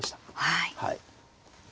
はい。